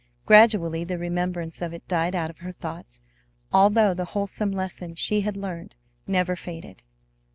Gradually the remembrance of it died out of her thoughts, although the wholesome lesson she had learned never faded.